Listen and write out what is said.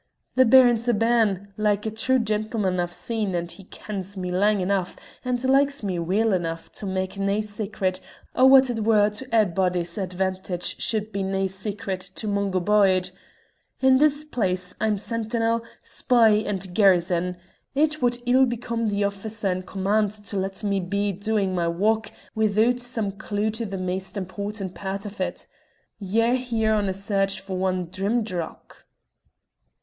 "The Baron's a bairn, like a' true gentlemen I've seen, and he kens me lang enough and likes me weel enough to mak' nae secret o' what it were to a'body's advantage should be nae secret to Mungo Byde. In this place I'm sentinel, spy, and garrison; it wad ill become the officer in command to let me be doin' my wark withoot some clew to the maist important pairt o't. Ye're here on a search for ane Drimdarroch."